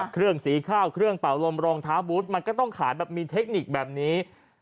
เครื่องสีข้าวเครื่องเป่าลมรองเท้าบูธมันก็ต้องขายแบบมีเทคนิคแบบนี้